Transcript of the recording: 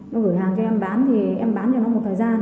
nó gửi hàng cho em bán thì em bán cho nó một thời gian